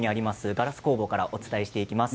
ガラス工房からお伝えしていきます。